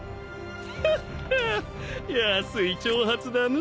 ヒョッヒョッ安い挑発だのう。